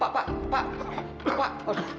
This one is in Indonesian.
pak pak pak